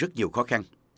rất nhiều khó khăn